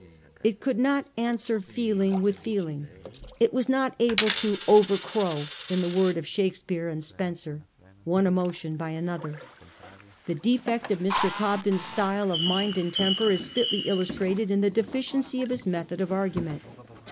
It could not answer feeling with • 1841 6. THE APOSTLE OP COMMON SENSE. 341 feeling. It was not able to ' overcrow,' in tbe word of Shakespeare and Spenser, one emotion by another. The defect of Mr. Cobden's style of mind and temper is fitly illustrated in the deficiency of his method of argument.